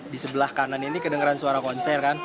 di sebelah kanan ini kedengeran suara konser kan